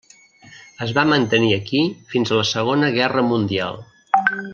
Es va mantenir aquí fins a la Segona Guerra Mundial.